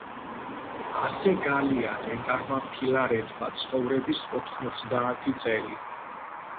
ასე გალია ნეტარმა ფილარეტმა ცხოვრების ოთხმოცდაათი წელი.